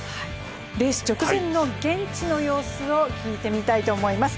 レース直前の現地の様子を聞いてみたいと思います。